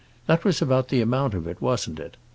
That was about the amount of it, wasn't it?